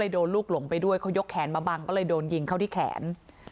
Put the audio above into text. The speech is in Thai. โดนลูกหลงไปด้วยเขายกแขนมาบังก็เลยโดนยิงเข้าที่แขน